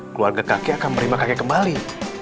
keluarga kaki akan menerima kakek kembali